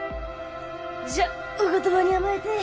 じゃあお言葉に甘えて。